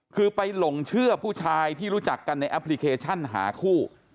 คือไปหลงเชื่อผู้ชายที่รู้จักกันในแอปพลิเคชันหาคู่